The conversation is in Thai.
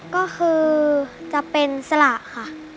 ก็คือจะเป็นสละค่ะ